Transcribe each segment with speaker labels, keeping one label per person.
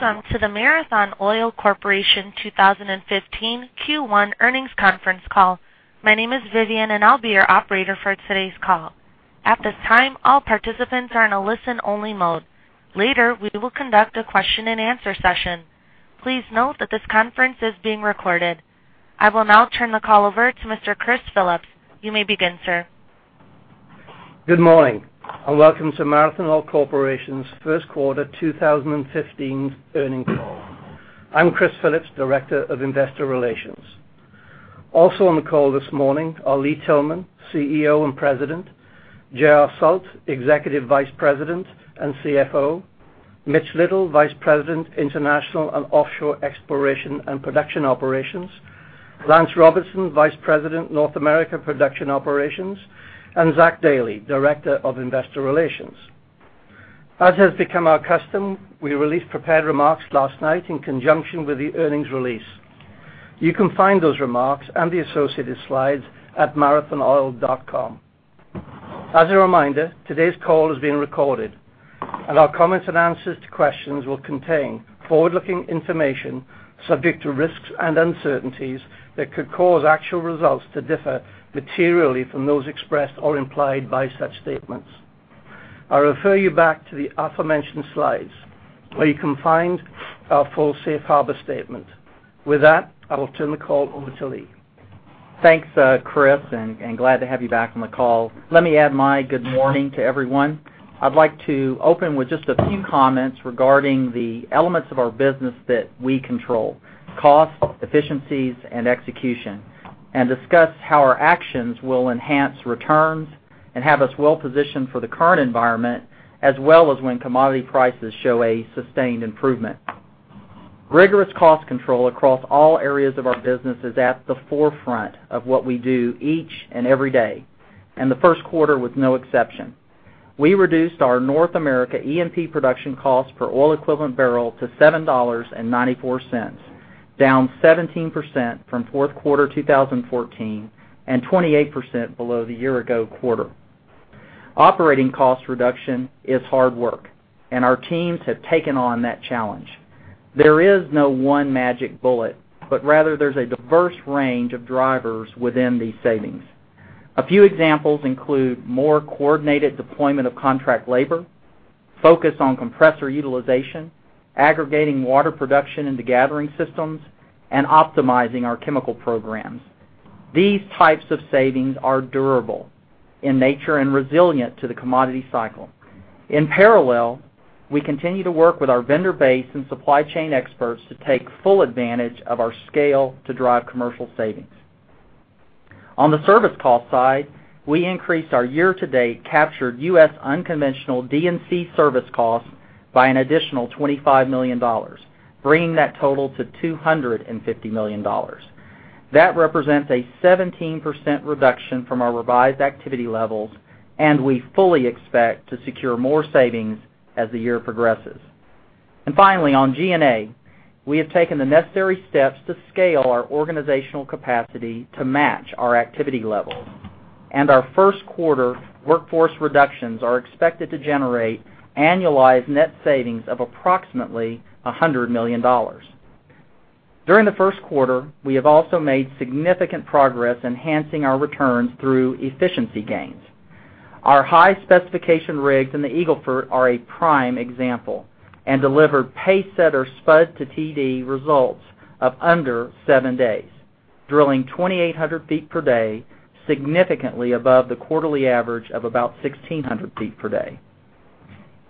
Speaker 1: Welcome to the Marathon Oil Corporation 2015 Q1 Earnings Conference Call. My name is Vivian, and I'll be your operator for today's call. At this time, all participants are in a listen-only mode. Later, we will conduct a question-and-answer session. Please note that this conference is being recorded. I will now turn the call over to Mr. Chris Phillips. You may begin, sir.
Speaker 2: Good morning, and welcome to Marathon Oil Corporation's first quarter 2015 earnings call. I'm Chris Phillips, Director of Investor Relations. Also on the call this morning are Lee Tillman, CEO and President; J.R. Sult, Executive Vice President and CFO; Mitch Little, Vice President, International and Offshore Exploration and Production Operations; Lance Robertson, Vice President, North America Production Operations; and Zach Dailey, Director of Investor Relations. As has become our custom, we released prepared remarks last night in conjunction with the earnings release. You can find those remarks and the associated slides at marathonoil.com. As a reminder, today's call is being recorded, and our comments and answers to questions will contain forward-looking information subject to risks and uncertainties that could cause actual results to differ materially from those expressed or implied by such statements. I refer you back to the aforementioned slides, where you can find our full safe harbor statement. With that, I will turn the call over to Lee.
Speaker 3: Thanks, Chris, and glad to have you back on the call. Let me add my good morning to everyone. I'd like to open with just a few comments regarding the elements of our business that we control, cost, efficiencies, and execution, and discuss how our actions will enhance returns and have us well-positioned for the current environment, as well as when commodity prices show a sustained improvement. Rigorous cost control across all areas of our business is at the forefront of what we do each and every day, and the first quarter was no exception. We reduced our North America E&P production cost per oil equivalent barrel to $7.94, down 17% from fourth quarter 2014 and 28% below the year ago quarter. Operating cost reduction is hard work, and our teams have taken on that challenge. There is no one magic bullet, rather there's a diverse range of drivers within these savings. A few examples include more coordinated deployment of contract labor, focus on compressor utilization, aggregating water production into gathering systems, and optimizing our chemical programs. These types of savings are durable in nature and resilient to the commodity cycle. In parallel, we continue to work with our vendor base and supply chain experts to take full advantage of our scale to drive commercial savings. On the service cost side, we increased our year-to-date captured U.S. unconventional D&C service cost by an additional $25 million, bringing that total to $250 million. That represents a 17% reduction from our revised activity levels, and we fully expect to secure more savings as the year progresses. Finally, on G&A, we have taken the necessary steps to scale our organizational capacity to match our activity levels. Our first quarter workforce reductions are expected to generate annualized net savings of approximately $100 million. During the first quarter, we have also made significant progress enhancing our returns through efficiency gains. Our high-specification rigs in the Eagle Ford are a prime example and delivered pacesetter spud-to-TD results of under seven days, drilling 2,800 feet per day, significantly above the quarterly average of about 1,600 feet per day.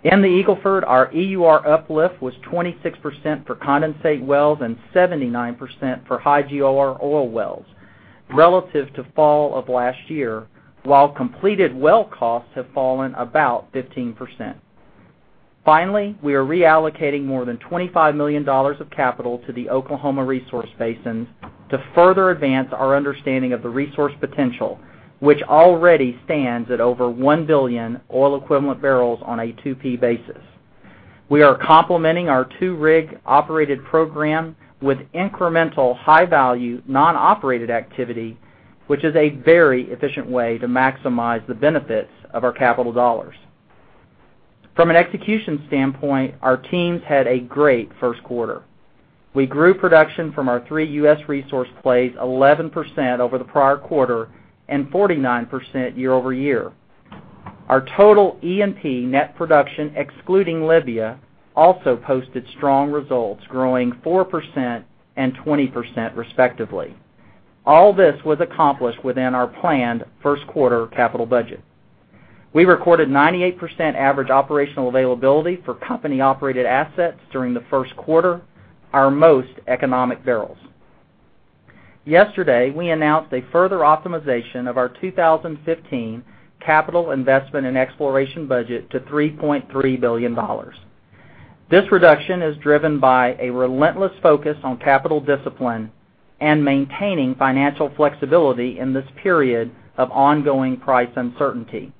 Speaker 3: In the Eagle Ford, our EUR uplift was 26% for condensate wells and 79% for high GOR oil wells relative to fall of last year, while completed well costs have fallen about 15%. Finally, we are reallocating more than $25 million of capital to the Oklahoma resource basins to further advance our understanding of the resource potential, which already stands at over 1 billion oil equivalent barrels on a 2P basis. We are complementing our two-rig operated program with incremental high-value non-operated activity, which is a very efficient way to maximize the benefits of our capital dollars. From an execution standpoint, our teams had a great first quarter. We grew production from our three U.S. resource plays 11% over the prior quarter and 49% year-over-year. Our total E&P net production, excluding Libya, also posted strong results, growing 4% and 20% respectively. All this was accomplished within our planned first quarter capital budget. We recorded 98% average operational availability for company-operated assets during the first quarter, our most economic barrels. Yesterday, we announced a further optimization of our 2015 capital investment and exploration budget to $3.3 billion. This reduction is driven by a relentless focus on capital discipline and maintaining financial flexibility in this period of ongoing price uncertainty.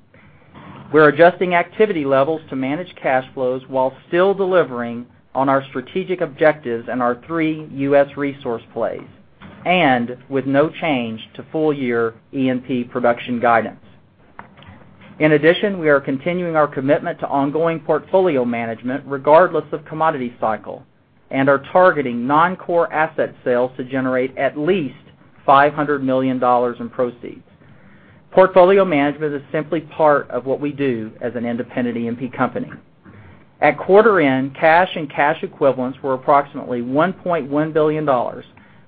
Speaker 3: We're adjusting activity levels to manage cash flows while still delivering on our strategic objectives in our three U.S. resource plays, with no change to full-year E&P production guidance. In addition, we are continuing our commitment to ongoing portfolio management regardless of commodity cycle and are targeting non-core asset sales to generate at least $500 million in proceeds. Portfolio management is simply part of what we do as an independent E&P company. At quarter end, cash and cash equivalents were approximately $1.1 billion,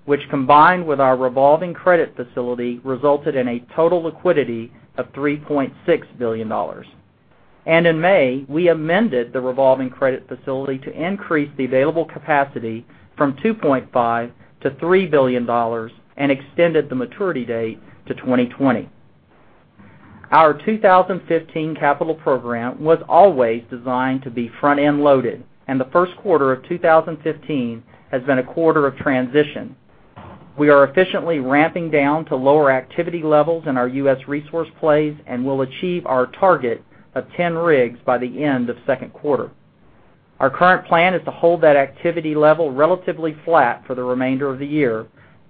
Speaker 3: which combined with our revolving credit facility, resulted in a total liquidity of $3.6 billion. In May, we amended the revolving credit facility to increase the available capacity from $2.5 billion-$3 billion and extended the maturity date to 2020. Our 2015 capital program was always designed to be front-end loaded, the first quarter of 2015 has been a quarter of transition. We are efficiently ramping down to lower activity levels in our U.S. resource plays and will achieve our target of 10 rigs by the end of the second quarter. Our current plan is to hold that activity level relatively flat for the remainder of the year,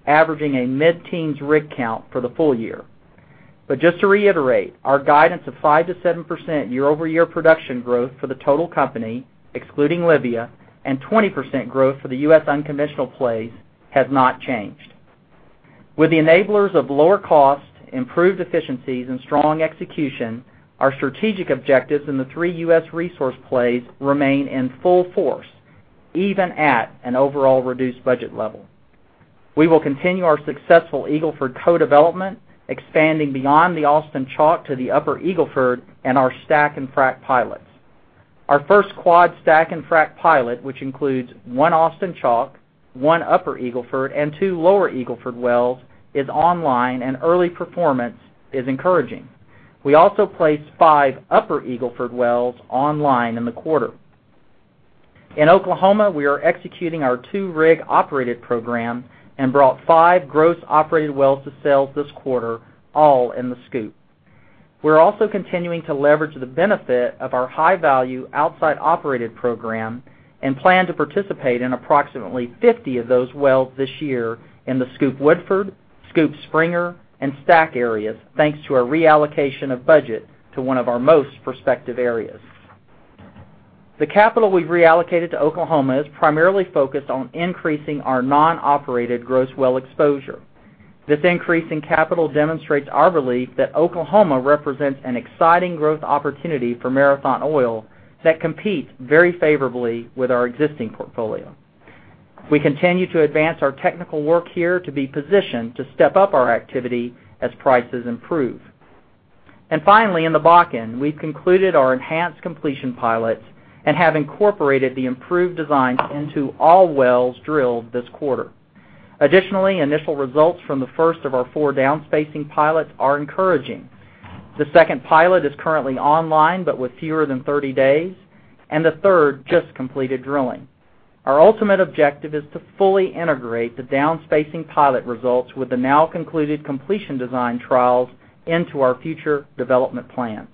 Speaker 3: averaging a mid-teens rig count for the full year. Just to reiterate, our guidance of 5%-7% year-over-year production growth for the total company, excluding Libya, and 20% growth for the U.S. unconventional plays, has not changed. With the enablers of lower cost, improved efficiencies, and strong execution, our strategic objectives in the three U.S. resource plays remain in full force, even at an overall reduced budget level. We will continue our successful Eagle Ford co-development, expanding beyond the Austin Chalk to the Upper Eagle Ford and our stack-and-frack pilots. Our first quad stack-and-frack pilot, which includes one Austin Chalk, one Upper Eagle Ford, and two Lower Eagle Ford wells, is online, and early performance is encouraging. We also placed five Upper Eagle Ford wells online in the quarter. In Oklahoma, we are executing our two-rig operated program and brought five gross operated wells to sales this quarter, all in the SCOOP. We're also continuing to leverage the benefit of our high-value outside operated program and plan to participate in approximately 50 of those wells this year in the SCOOP Woodford, SCOOP Springer, and STACK areas, thanks to a reallocation of budget to one of our most prospective areas. The capital we've reallocated to Oklahoma is primarily focused on increasing our non-operated gross well exposure. This increase in capital demonstrates our belief that Oklahoma represents an exciting growth opportunity for Marathon Oil that competes very favorably with our existing portfolio. We continue to advance our technical work here to be positioned to step up our activity as prices improve. Finally, in the Bakken, we've concluded our enhanced completion pilots and have incorporated the improved designs into all wells drilled this quarter. Additionally, initial results from the first of our four down-spacing pilots are encouraging. The second pilot is currently online, but with fewer than 30 days, and the third just completed drilling. Our ultimate objective is to fully integrate the down-spacing pilot results with the now concluded completion design trials into our future development plans.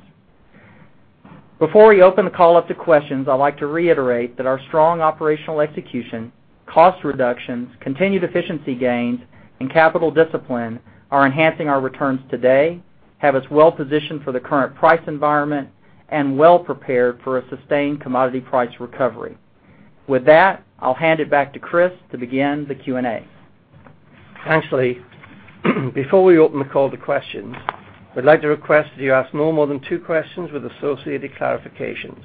Speaker 3: Before we open the call up to questions, I'd like to reiterate that our strong operational execution, cost reductions, continued efficiency gains, and capital discipline are enhancing our returns today, have us well positioned for the current price environment, and well prepared for a sustained commodity price recovery. With that, I'll hand it back to Chris to begin the Q&A.
Speaker 2: Actually, before we open the call to questions, we'd like to request that you ask no more than two questions with associated clarifications.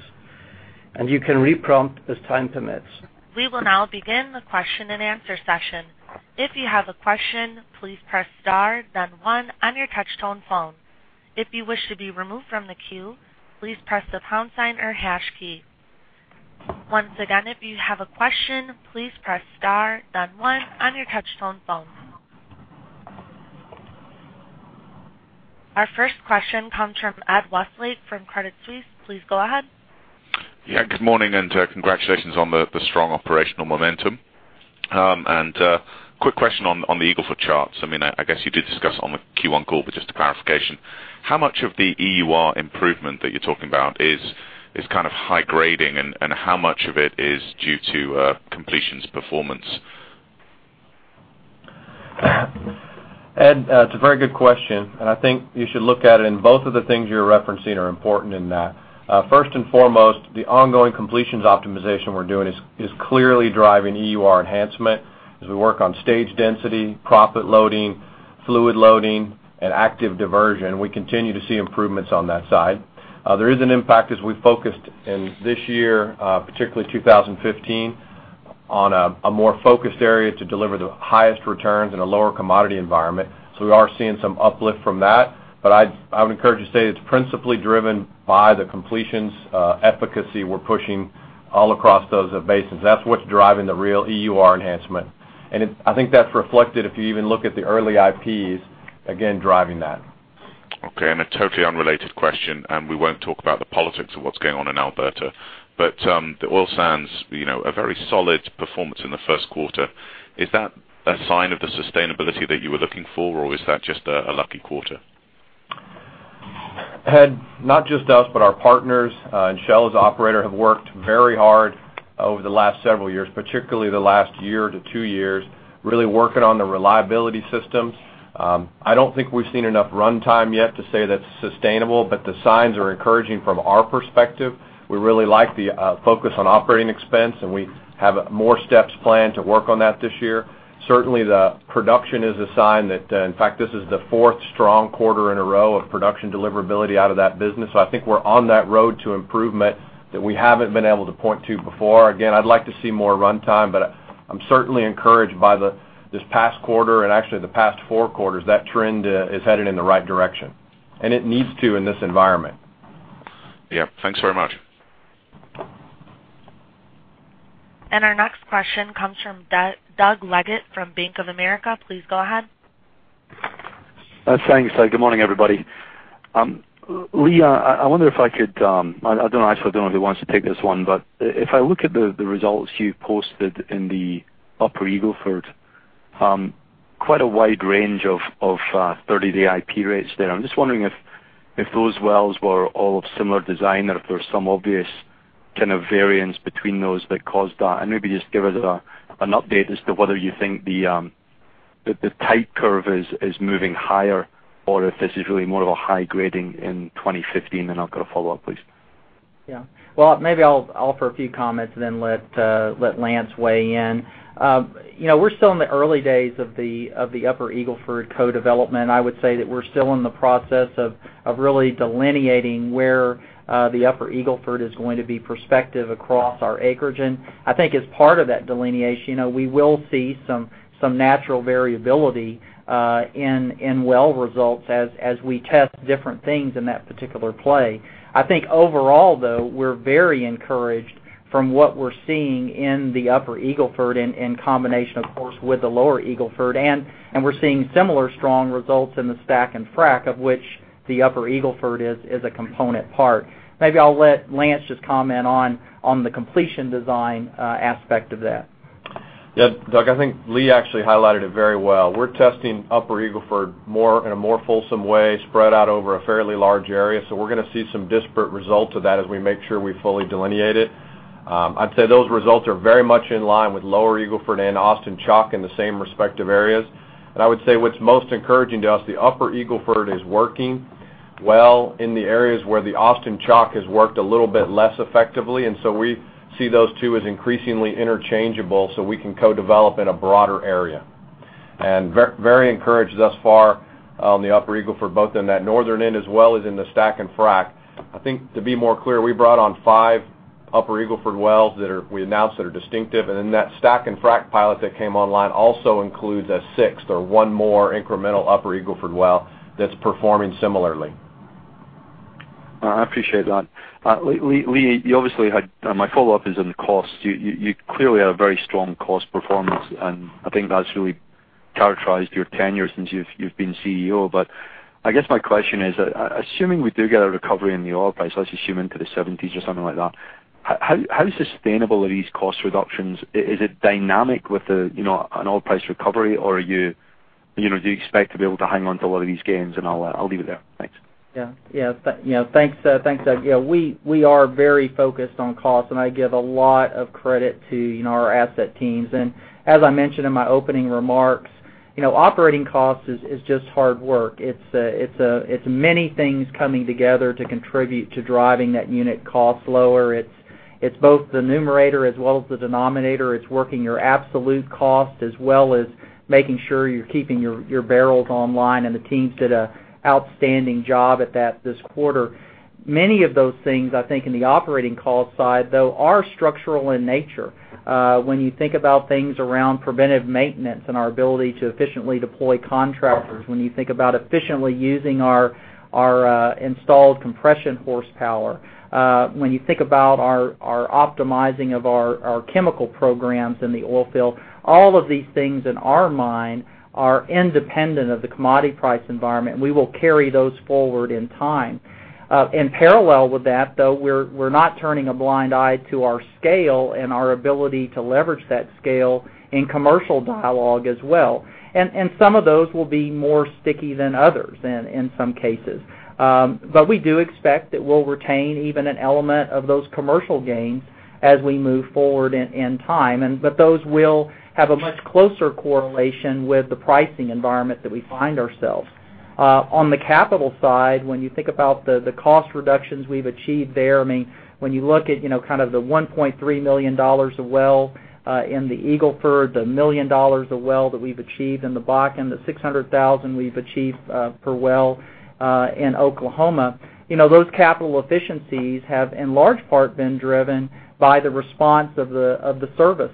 Speaker 2: You can re-prompt as time permits.
Speaker 1: We will now begin the question-and-answer session. If you have a question, please press star then one on your touch-tone phone. If you wish to be removed from the queue, please press the pound sign or hash key. Once again, if you have a question, please press star then one on your touch-tone phone. Our first question comes from Ed Westlake from Credit Suisse. Please go ahead.
Speaker 4: Yeah. Good morning and congratulations on the strong operational momentum. A quick question on the Eagle Ford charts. I guess you did discuss on the Q1 call, but just a clarification, how much of the EUR improvement that you're talking about is kind of high grading, how much of it is due to completions performance?
Speaker 3: Ed, it's a very good question. I think you should look at it in both of the things you're referencing are important in that. First and foremost, the ongoing completions optimization we're doing is clearly driving EUR enhancement as we work on stage density, proppant loading, fluid loading, and active diversion. We continue to see improvements on that side. There is an impact as we focused in this year, particularly 2015, on a more focused area to deliver the highest returns in a lower commodity environment. We are seeing some uplift from that. I would encourage to say it's principally driven by the completions efficacy we're pushing all across those basins. That's what's driving the real EUR enhancement. I think that's reflected if you even look at the early IPs, again, driving that.
Speaker 4: Okay. A totally unrelated question, we won't talk about the politics of what's going on in Alberta, but the oil sands, a very solid performance in the first quarter. Is that a sign of the sustainability that you were looking for, or is that just a lucky quarter?
Speaker 3: Ed, not just us, but our partners and Shell as operator have worked very hard
Speaker 5: Over the last several years, particularly the last year to two years, really working on the reliability systems. I don't think we've seen enough runtime yet to say that's sustainable, but the signs are encouraging from our perspective. We really like the focus on operating expense. We have more steps planned to work on that this year. Certainly, the production is a sign that, in fact, this is the fourth strong quarter in a row of production deliverability out of that business. I think we're on that road to improvement that we haven't been able to point to before. Again, I'd like to see more runtime, but I'm certainly encouraged by this past quarter and actually the past four quarters. That trend is headed in the right direction. It needs to in this environment.
Speaker 4: Yeah. Thanks very much.
Speaker 1: Our next question comes from Doug Leggate from Bank of America. Please go ahead.
Speaker 6: Thanks. Good morning, everybody. Lee, I don't actually know who wants to take this one, but if I look at the results you posted in the Upper Eagle Ford, quite a wide range of 30-day IP rates there. I'm just wondering if those wells were all of similar design or if there's some obvious kind of variance between those that caused that. Maybe just give us an update as to whether you think the type curve is moving higher or if this is really more of a high grading in 2015. I've got a follow-up, please.
Speaker 3: Yeah. Well, maybe I'll offer a few comments and then let Lance weigh in. We're still in the early days of the Upper Eagle Ford co-development. I would say that we're still in the process of really delineating where the Upper Eagle Ford is going to be prospective across our acreage. I think as part of that delineation, we will see some natural variability in well results as we test different things in that particular play. I think overall, though, we're very encouraged from what we're seeing in the Upper Eagle Ford in combination, of course, with the Lower Eagle Ford. We're seeing similar strong results in the stack-and-frack, of which the Upper Eagle Ford is a component part. Maybe I'll let Lance just comment on the completion design aspect of that.
Speaker 5: Yeah, Doug, I think Lee actually highlighted it very well. We're testing Upper Eagle Ford in a more fulsome way, spread out over a fairly large area. We're going to see some disparate results of that as we make sure we fully delineate it. I'd say those results are very much in line with Lower Eagle Ford and Austin Chalk in the same respective areas. I would say what's most encouraging to us, the Upper Eagle Ford is working well in the areas where the Austin Chalk has worked a little bit less effectively, so we see those two as increasingly interchangeable, so we can co-develop in a broader area. Very encouraged thus far on the Upper Eagle Ford, both in that northern end as well as in the stack-and-frack. I think to be more clear, we brought on five Upper Eagle Ford wells that we announced that are distinctive. That stack-and-frack pilot that came online also includes a sixth or one more incremental Upper Eagle Ford well that's performing similarly.
Speaker 6: I appreciate that. Lee, my follow-up is on the cost. You clearly had a very strong cost performance, and I think that's really characterized your tenure since you've been CEO. I guess my question is, assuming we do get a recovery in the oil price, let's assume into the 70s or something like that, how sustainable are these cost reductions? Is it dynamic with an oil price recovery, or do you expect to be able to hang on to a lot of these gains? I'll leave it there. Thanks.
Speaker 3: Thanks, Doug. We are very focused on cost, I give a lot of credit to our asset teams. As I mentioned in my opening remarks, operating cost is just hard work. It's many things coming together to contribute to driving that unit cost lower. It's both the numerator as well as the denominator. It's working your absolute cost, as well as making sure you're keeping your barrels online, the teams did an outstanding job at that this quarter. Many of those things, I think, in the operating cost side, though, are structural in nature. When you think about things around preventive maintenance and our ability to efficiently deploy contractors, when you think about efficiently using our installed compression horsepower, when you think about our optimizing of our chemical programs in the oil field, all of these things in our mind are independent of the commodity price environment, we will carry those forward in time. In parallel with that, though, we're not turning a blind eye to our scale and our ability to leverage that scale in commercial dialogue as well. Some of those will be more sticky than others in some cases. We do expect that we'll retain even an element of those commercial gains as we move forward in time. Those will have a much closer correlation with the pricing environment that we find ourselves. On the capital side, when you think about the cost reductions we've achieved there, when you look at the $1.3 million a well in the Eagle Ford, the $1 million a well that we've achieved in the Bakken, the $600,000 we've achieved per well in Oklahoma, those capital efficiencies have, in large part, been driven by the response of the service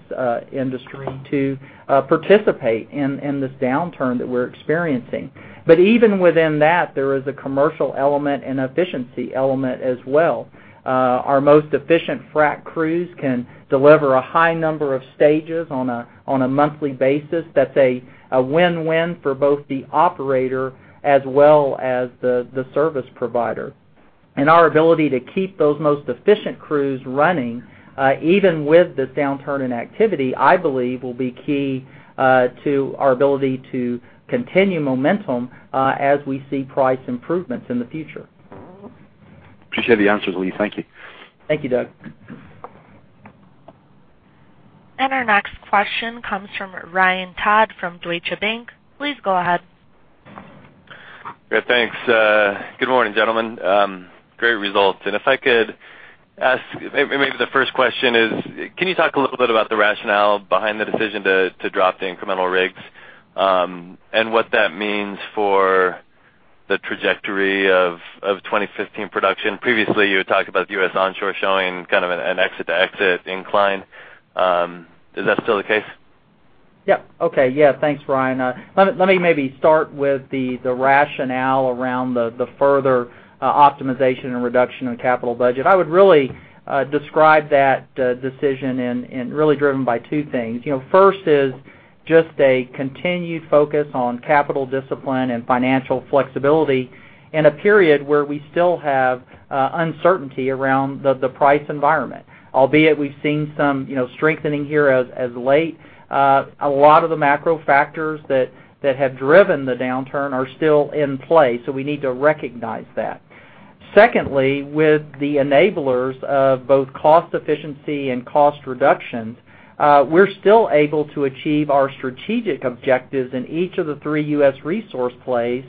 Speaker 3: industry to participate in this downturn that we're experiencing. Even within that, there is a commercial element and efficiency element as well. Our most efficient frack crews can deliver a high number of stages on a monthly basis. That's a win-win for both the operator as well as the service provider. Our ability to keep those most efficient crews running even with this downturn in activity, I believe, will be key to our ability to continue momentum as we see price improvements in the future.
Speaker 6: Appreciate the answers, Lee. Thank you.
Speaker 3: Thank you, Doug.
Speaker 1: Our next question comes from Ryan Todd from Deutsche Bank. Please go ahead.
Speaker 7: Great. Thanks. Good morning, gentlemen. Great results. If I could ask, maybe the first question is, can you talk a little bit about the rationale behind the decision to drop the incremental rigs, and what that means for the trajectory of 2015 production? Previously, you had talked about U.S. onshore showing kind of an exit-to-exit incline. Is that still the case?
Speaker 3: Yeah. Okay. Yeah. Thanks, Ryan. Let me maybe start with the rationale around the further optimization and reduction of the capital budget. I would really describe that decision and really driven by two things. First is just a continued focus on capital discipline and financial flexibility in a period where we still have uncertainty around the price environment. Albeit we've seen some strengthening here as late. A lot of the macro factors that have driven the downturn are still in play, so we need to recognize that. Secondly, with the enablers of both cost efficiency and cost reductions, we're still able to achieve our strategic objectives in each of the three U.S. resource plays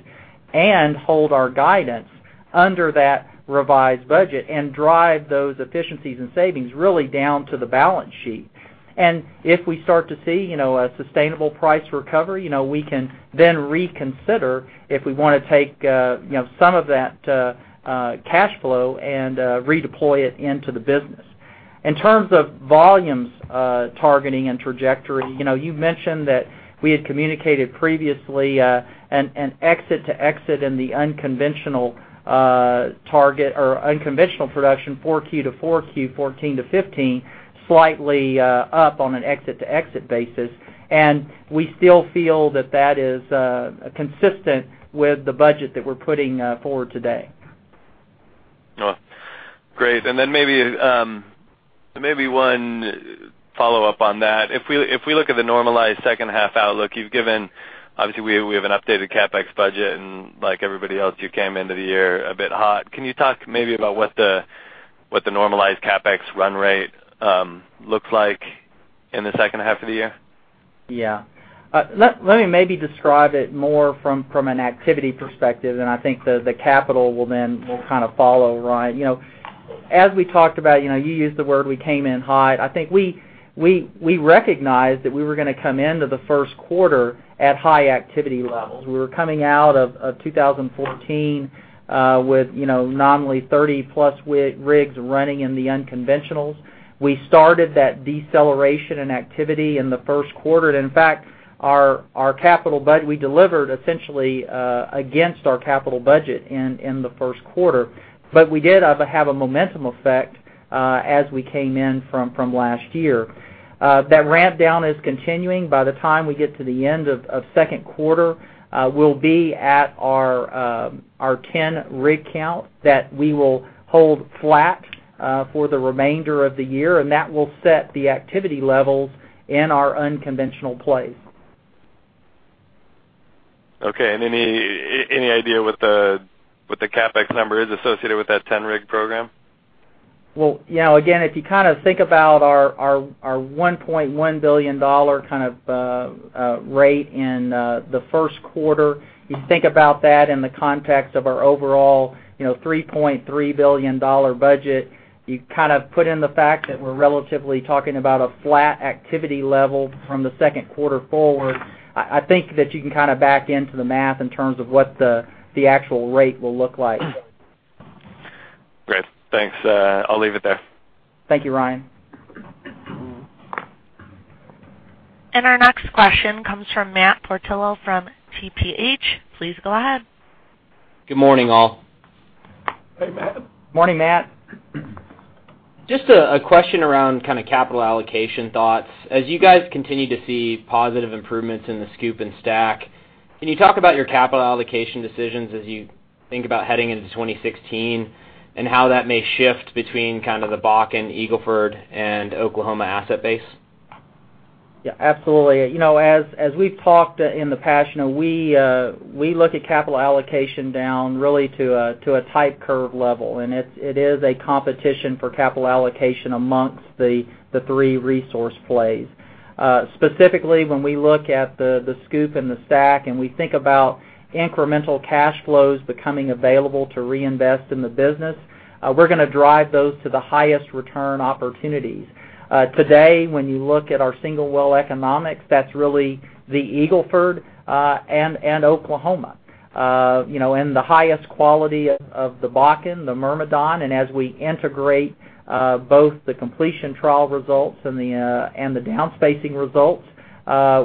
Speaker 3: and hold our guidance under that revised budget and drive those efficiencies and savings really down to the balance sheet. If we start to see a sustainable price recovery, we can then reconsider if we want to take some of that cash flow and redeploy it into the business. In terms of volumes targeting and trajectory, you mentioned that we had communicated previously an exit-to-exit in the unconventional target or unconventional production 4Q to 4Q 2014 to 2015, slightly up on an exit-to-exit basis. We still feel that that is consistent with the budget that we're putting forward today.
Speaker 7: Great. Then maybe one follow-up on that. If we look at the normalized second half outlook you've given, obviously we have an updated CapEx budget, and like everybody else, you came into the year a bit hot. Can you talk maybe about what the normalized CapEx run rate looks like in the second half of the year?
Speaker 3: Yeah. Let me maybe describe it more from an activity perspective, and I think the capital will then kind of follow, Ryan. As we talked about, you used the word we came in hot. I think we recognized that we were going to come into the first quarter at high activity levels. We were coming out of 2014 with nominally 30-plus rigs running in the unconventionals. We started that deceleration in activity in the first quarter. In fact, our capital budget, we delivered essentially against our capital budget in the first quarter. We did have a momentum effect as we came in from last year. That ramp down is continuing. By the time we get to the end of second quarter, we'll be at our 10 rig count that we will hold flat for the remainder of the year, and that will set the activity levels in our unconventional plays.
Speaker 7: Okay. Any idea what the CapEx number is associated with that 10 rig program?
Speaker 3: Well, again, if you think about our $1.1 billion rate in the first quarter, you think about that in the context of our overall $3.3 billion budget, you put in the fact that we're relatively talking about a flat activity level from the second quarter forward. I think that you can back into the math in terms of what the actual rate will look like.
Speaker 7: Great. Thanks. I'll leave it there.
Speaker 3: Thank you, Ryan.
Speaker 1: Our next question comes from Matt Portillo from TPH. Please go ahead.
Speaker 8: Good morning, all.
Speaker 3: Hey, Matt. Morning, Matt.
Speaker 8: Just a question around kind of capital allocation thoughts. As you guys continue to see positive improvements in the SCOOP and STACK, can you talk about your capital allocation decisions as you think about heading into 2016, and how that may shift between kind of the Bakken, Eagle Ford, and Oklahoma asset base?
Speaker 3: Yeah, absolutely. As we've talked in the past, we look at capital allocation down really to a tight curve level, and it is a competition for capital allocation amongst the three resource plays. Specifically, when we look at the SCOOP and the STACK, and we think about incremental cash flows becoming available to reinvest in the business, we're going to drive those to the highest return opportunities. Today, when you look at our single well economics, that's really the Eagle Ford and Oklahoma. The highest quality of the Bakken, the Myrmidon, and as we integrate both the completion trial results and the downspacing results,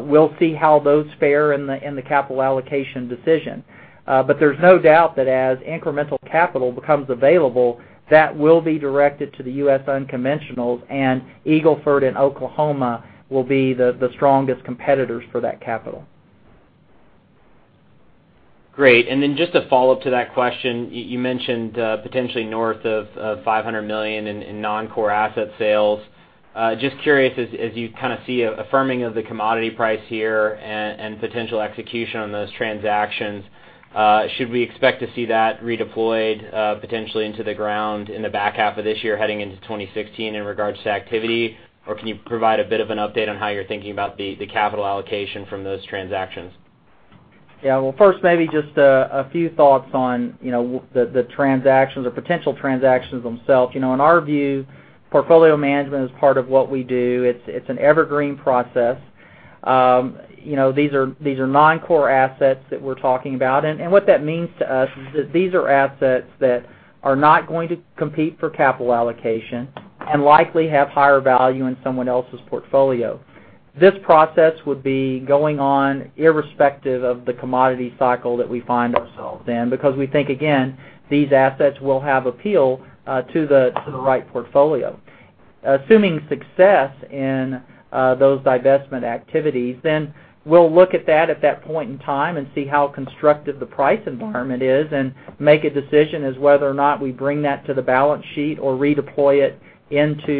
Speaker 3: we'll see how those fare in the capital allocation decision. There's no doubt that as incremental capital becomes available, that will be directed to the U.S. unconventionals, and Eagle Ford and Oklahoma will be the strongest competitors for that capital.
Speaker 8: Great. Just a follow-up to that question. You mentioned potentially north of $500 million in non-core asset sales. Just curious, as you see a firming of the commodity price here and potential execution on those transactions, should we expect to see that redeployed potentially into the ground in the back half of this year heading into 2016 in regards to activity? Can you provide a bit of an update on how you're thinking about the capital allocation from those transactions?
Speaker 3: Yeah. Well, first, maybe just a few thoughts on the transactions or potential transactions themselves. In our view, portfolio management is part of what we do. It's an evergreen process. These are non-core assets that we're talking about. What that means to us is that these are assets that are not going to compete for capital allocation and likely have higher value in someone else's portfolio. This process would be going on irrespective of the commodity cycle that we find ourselves in, because we think, again, these assets will have appeal to the right portfolio. Assuming success in those divestment activities, we'll look at that at that point in time and see how constructive the price environment is and make a decision as whether or not we bring that to the balance sheet or redeploy it into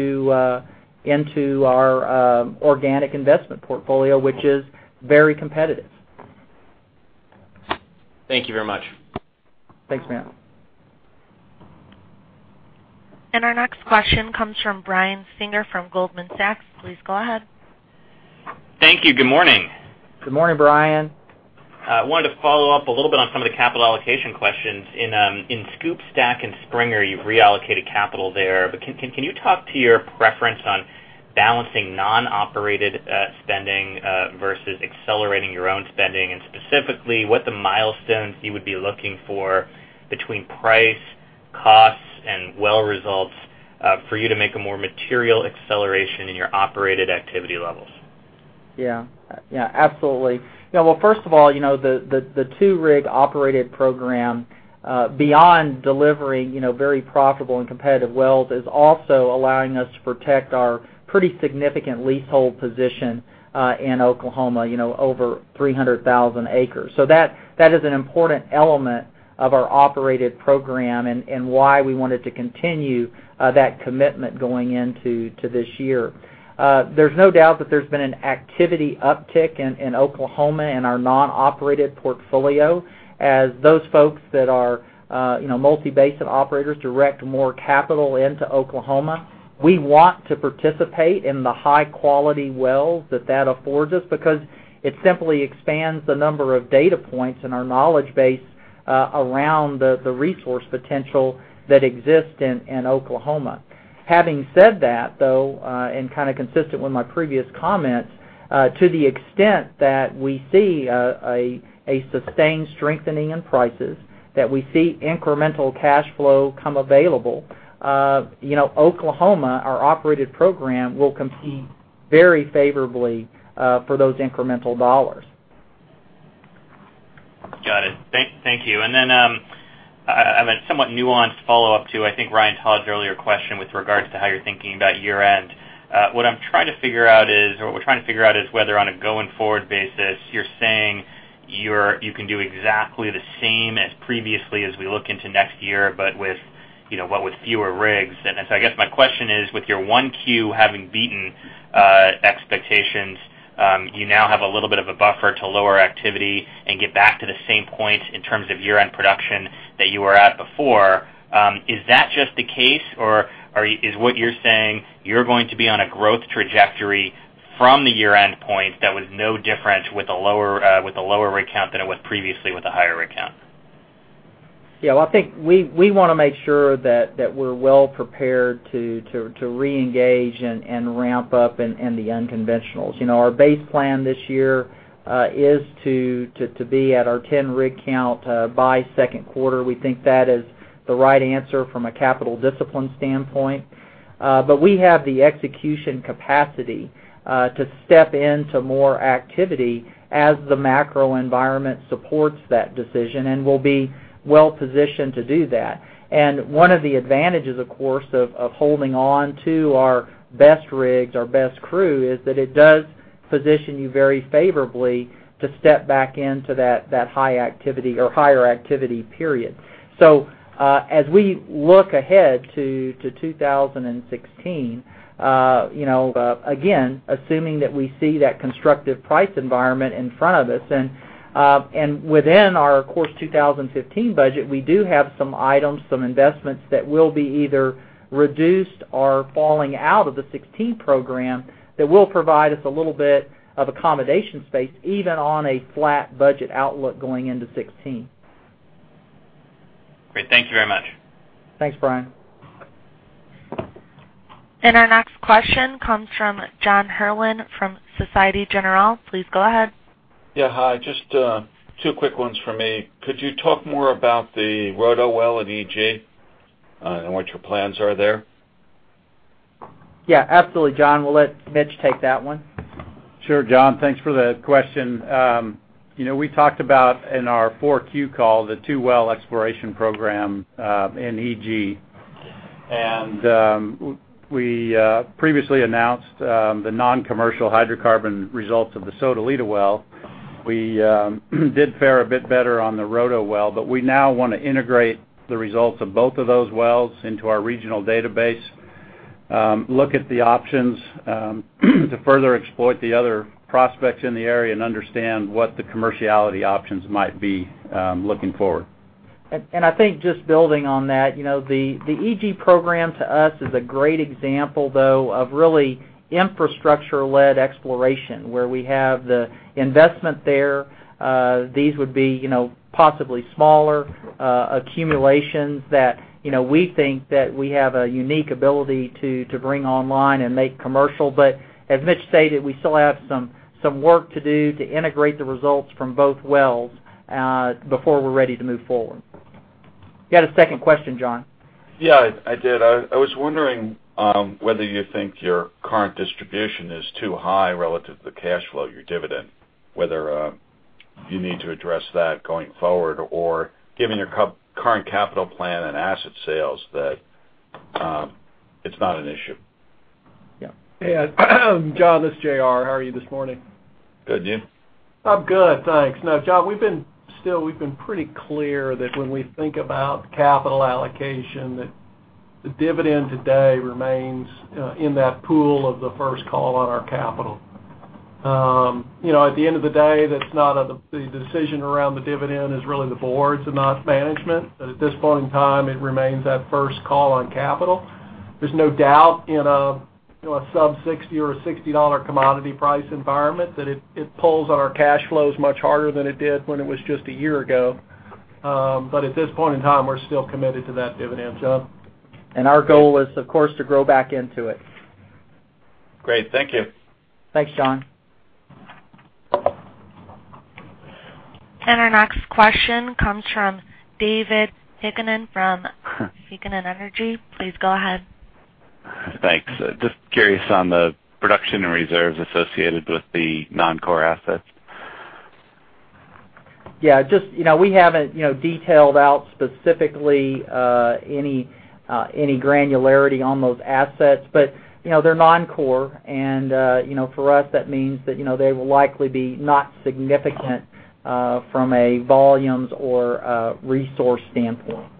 Speaker 3: our organic investment portfolio, which is very competitive.
Speaker 8: Thank you very much.
Speaker 3: Thanks, Matt.
Speaker 1: Our next question comes from Brian Singer from Goldman Sachs. Please go ahead.
Speaker 9: Thank you. Good morning.
Speaker 3: Good morning, Brian.
Speaker 9: I wanted to follow up a little bit on some of the capital allocation questions. In Scoop, Stack, and Springer, you've reallocated capital there. Can you talk to your preference on balancing non-operated spending versus accelerating your own spending, and specifically what the milestones you would be looking for between price, costs, and well results for you to make a more material acceleration in your operated activity levels?
Speaker 3: Yeah. Absolutely. Well, first of all, the two-rig operated program beyond delivering very profitable and competitive wells, is also allowing us to protect our pretty significant leasehold position in Oklahoma, over 300,000 acres. That is an important element of our operated program and why we wanted to continue that commitment going into to this year. There's no doubt that there's been an activity uptick in Oklahoma and our non-operated portfolio as those folks that are multi-basin operators direct more capital into Oklahoma. We want to participate in the high-quality wells that that affords us because it simply expands the number of data points in our knowledge base around the resource potential that exists in Oklahoma. Having said that, though, consistent with my previous comments, to the extent that we see a sustained strengthening in prices, that we see incremental cash flow come available, Oklahoma, our operated program, will compete very favorably for those incremental dollars.
Speaker 9: Got it. Thank you. Then, I have a somewhat nuanced follow-up to, I think, Ryan Todd's earlier question with regards to how you're thinking about year-end. What I'm trying to figure out is whether on a going-forward basis, you're saying you can do exactly the same as previously as we look into next year, with fewer rigs. I guess my question is, with your 1Q having beaten expectations, you now have a little bit of a buffer to lower activity and get back to the same point in terms of year-end production that you were at before. Is that just the case, or is what you're saying, you're going to be on a growth trajectory from the year-end point that was no different with a lower rig count than it was previously with a higher rig count?
Speaker 3: Yeah. Well, I think we want to make sure that we're well prepared to reengage and ramp up in the unconventionals. Our base plan this year is to be at our 10 rig count by second quarter. We think that is the right answer from a capital discipline standpoint. We have the execution capacity to step into more activity as the macro environment supports that decision, we'll be well-positioned to do that. One of the advantages, of course, of holding on to our best rigs, our best crew, is that it does position you very favorably to step back into that high activity or higher activity period. As we look ahead to 2016, again, assuming that we see that constructive price environment in front of us and within our course 2015 budget, we do have some items, some investments that will be either reduced or falling out of the 2016 program that will provide us a little bit of accommodation space, even on a flat budget outlook going into 2016.
Speaker 9: Great. Thank you very much.
Speaker 3: Thanks, Brian.
Speaker 1: Our next question comes from John Herrlin from Societe Generale. Please go ahead.
Speaker 10: Yeah. Hi. Just two quick ones for me. Could you talk more about the Rodo well at EG and what your plans are there?
Speaker 3: Yeah, absolutely. John. We'll let Mitch take that one.
Speaker 11: Sure, John. Thanks for the question. We talked about in our 4Q call, the two well exploration program in EG. We previously announced the non-commercial hydrocarbon results of the Sodalida well. We did fare a bit better on the Rodo well. We now want to integrate the results of both of those wells into our regional database, look at the options to further exploit the other prospects in the area and understand what the commerciality options might be looking forward.
Speaker 3: I think just building on that, the EG program to us is a great example, though, of really infrastructure-led exploration, where we have the investment there. These would be possibly smaller accumulations that we think that we have a unique ability to bring online and make commercial. As Mitch stated, we still have some work to do to integrate the results from both wells before we're ready to move forward. You had a second question, John?
Speaker 10: Yeah, I did. I was wondering whether you think your current distribution is too high relative to the cash flow, your dividend, whether you need to address that going forward, or given your current capital plan and asset sales, that it's not an issue.
Speaker 3: Yeah.
Speaker 12: Hey, John, this is J.R. How are you this morning?
Speaker 10: Good, J.R.
Speaker 12: John, we've been pretty clear that when we think about capital allocation, that the dividend today remains in that pool of the first call on our capital. At the end of the day, the decision around the dividend is really the board's and not management. At this point in time, it remains that first call on capital. There's no doubt in a sub 60 or $60 commodity price environment that it pulls on our cash flows much harder than it did when it was just a year ago. At this point in time, we're still committed to that dividend, John.
Speaker 3: Our goal is, of course, to grow back into it.
Speaker 10: Great. Thank you.
Speaker 3: Thanks, John.
Speaker 1: Our next question comes from David Heikkinen from Heikkinen Energy Advisors. Please go ahead.
Speaker 13: Thanks. Just curious on the production and reserves associated with the non-core assets.
Speaker 3: Yeah. We haven't detailed out specifically any granularity on those assets, but they're non-core, and for us, that means that they will likely be not significant from a volumes or a resource standpoint.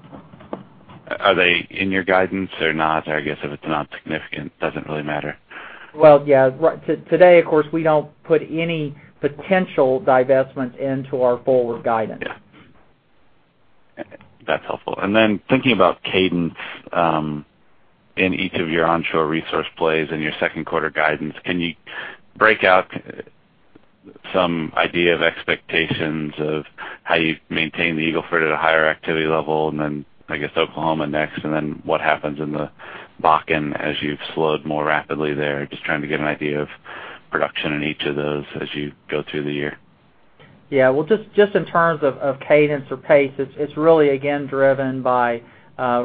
Speaker 13: Are they in your guidance or not? I guess if it's not significant, doesn't really matter.
Speaker 3: Well, yeah. Today, of course, we don't put any potential divestment into our forward guidance.
Speaker 13: Yeah. That's helpful. Thinking about cadence in each of your onshore resource plays and your second quarter guidance, can you break out some idea of expectations of how you maintain the Eagle Ford at a higher activity level, and then I guess Oklahoma next, and then what happens in the Bakken as you've slowed more rapidly there? Just trying to get an idea of production in each of those as you go through the year.
Speaker 3: Well, just in terms of cadence or pace, it's really, again, driven by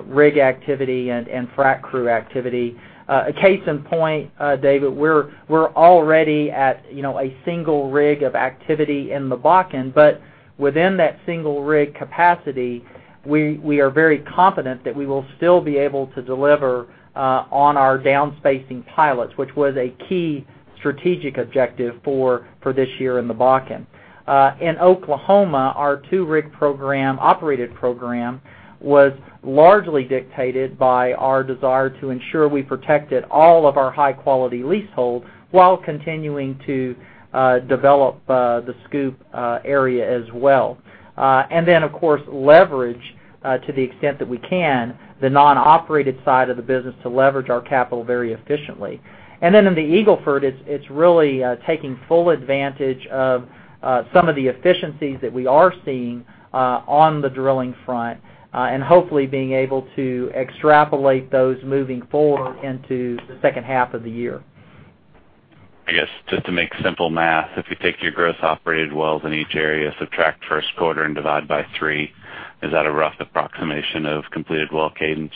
Speaker 3: rig activity and frac crew activity. A case in point, David, we're already at a single rig of activity in the Bakken, but within that single rig capacity, we are very confident that we will still be able to deliver on our downspacing pilots, which was a key strategic objective for this year in the Bakken. In Oklahoma, our two-rig operated program was largely dictated by our desire to ensure we protected all of our high-quality leaseholds while continuing to develop the SCOOP area as well. Of course, leverage to the extent that we can, the non-operated side of the business to leverage our capital very efficiently. In the Eagle Ford, it's really taking full advantage of some of the efficiencies that we are seeing on the drilling front, and hopefully being able to extrapolate those moving forward into the second half of the year.
Speaker 13: I guess just to make simple math, if you take your gross operated wells in each area, subtract first quarter, and divide by three, is that a rough approximation of completed well cadence?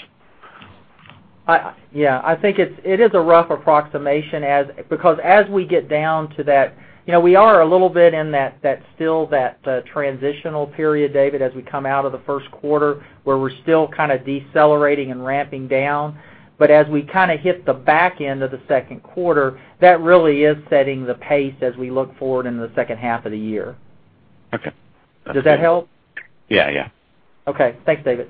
Speaker 3: I think it is a rough approximation because as we get down to that, we are a little bit in that still transitional period, David, as we come out of the first quarter, where we're still decelerating and ramping down. As we hit the back end of the second quarter, that really is setting the pace as we look forward into the second half of the year.
Speaker 13: Okay.
Speaker 3: Does that help?
Speaker 13: Yeah.
Speaker 3: Okay. Thanks, David.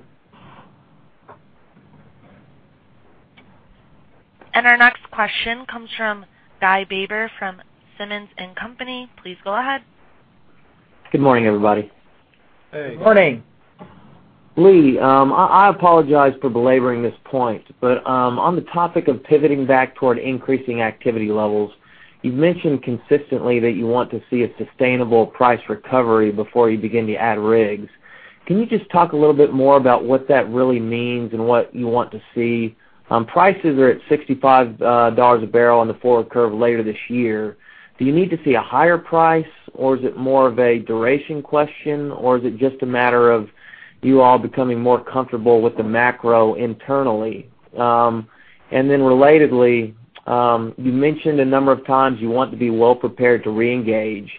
Speaker 1: Our next question comes from Guy Baber from Simmons & Company. Please go ahead.
Speaker 14: Good morning, everybody.
Speaker 3: Hey. Morning.
Speaker 14: Lee, I apologize for belaboring this point, on the topic of pivoting back toward increasing activity levels, you've mentioned consistently that you want to see a sustainable price recovery before you begin to add rigs. Can you just talk a little bit more about what that really means and what you want to see? Prices are at $65 a barrel on the forward curve later this year. Do you need to see a higher price, or is it more of a duration question, or is it just a matter of you all becoming more comfortable with the macro internally? Relatedly, you mentioned a number of times you want to be well prepared to reengage.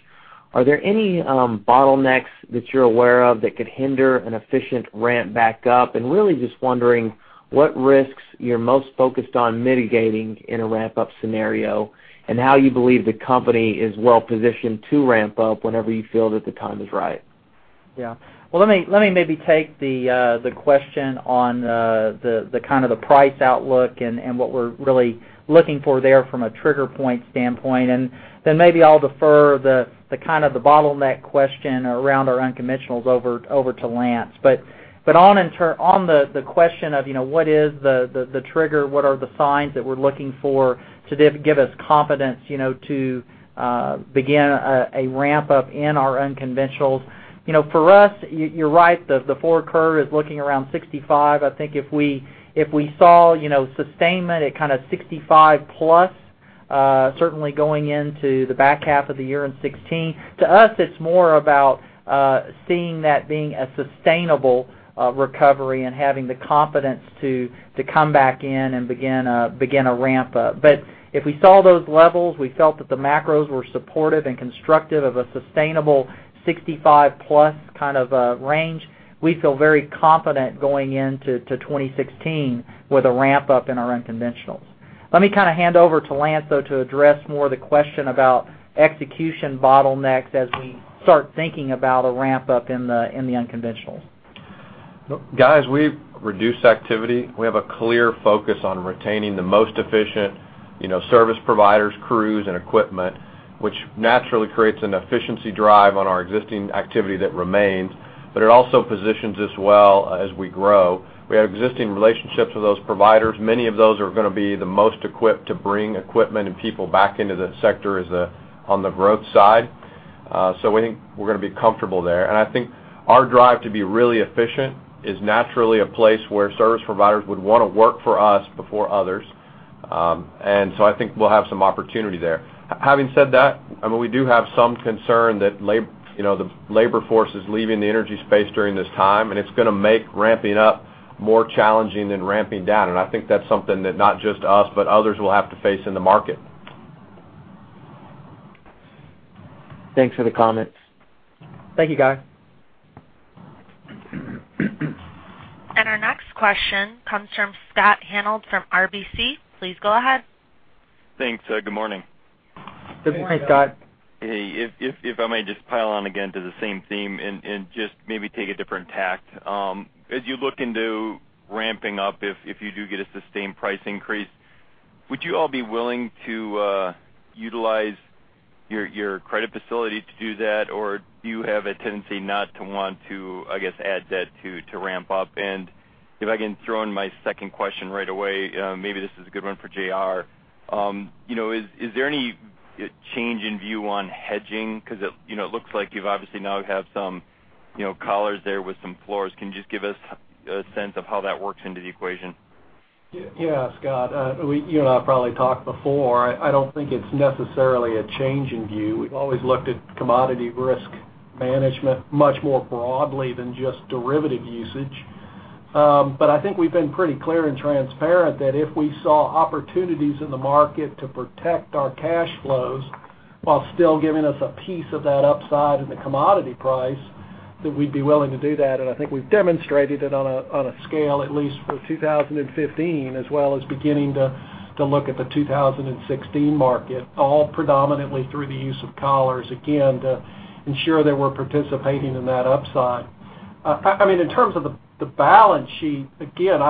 Speaker 14: Are there any bottlenecks that you're aware of that could hinder an efficient ramp back up? Really just wondering what risks you're most focused on mitigating in a ramp-up scenario, and how you believe the company is well positioned to ramp up whenever you feel that the time is right.
Speaker 3: Yeah. Well, let me maybe take the question on the price outlook and what we're really looking for there from a trigger point standpoint, maybe I'll defer the bottleneck question around our unconventionals over to Lance. On the question of what is the trigger? What are the signs that we're looking for to give us confidence to begin a ramp-up in our unconventionals? For us, you're right, the forward curve is looking around 65. I think if we saw sustainment at 65 plus, certainly going into the back half of the year in 2016, to us, it's more about seeing that being a sustainable recovery and having the confidence to come back in and begin a ramp-up. If we saw those levels, we felt that the macros were supportive and constructive of a sustainable 65-plus range, we'd feel very confident going into 2016 with a ramp-up in our unconventionals. Let me hand over to Lance, though, to address more the question about execution bottlenecks as we start thinking about a ramp-up in the unconventionals.
Speaker 5: Guys, we've reduced activity. We have a clear focus on retaining the most efficient service providers, crews, and equipment, which naturally creates an efficiency drive on our existing activity that remains, it also positions us well as we grow. We have existing relationships with those providers. Many of those are going to be the most equipped to bring equipment and people back into the sector on the growth side. We think we're going to be comfortable there. I think our drive to be really efficient is naturally a place where service providers would want to work for us before others. I think we'll have some opportunity there. Having said that, we do have some concern that the labor force is leaving the energy space during this time, and it's going to make ramping up more challenging than ramping down. I think that's something that not just us, but others will have to face in the market.
Speaker 14: Thanks for the comments.
Speaker 3: Thank you, guys.
Speaker 1: Our next question comes from Scott Hanold from RBC. Please go ahead.
Speaker 15: Thanks. Good morning.
Speaker 3: Good morning, Scott.
Speaker 15: Hey, if I may just pile on again to the same theme and just maybe take a different tact. As you look into ramping up, if you do get a sustained price increase, would you all be willing to utilize your credit facility to do that? Or do you have a tendency not to want to, I guess, add debt to ramp up? If I can throw in my second question right away, maybe this is a good one for J.R. Is there any change in view on hedging? Because it looks like you've obviously now have some collars there with some floors. Can you just give us a sense of how that works into the equation?
Speaker 12: Yeah, Scott. You and I have probably talked before. I don't think it's necessarily a change in view. We've always looked at commodity risk management much more broadly than just derivative usage. I think we've been pretty clear and transparent that if we saw opportunities in the market to protect our cash flows while still giving us a piece of that upside in the commodity price, that we'd be willing to do that. I think we've demonstrated it on a scale, at least for 2015, as well as beginning to look at the 2016 market, all predominantly through the use of collars, again, to ensure that we're participating in that upside. In terms of the balance sheet, again,